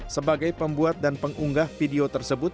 sebagai pembuat dan pengunggah video tersebut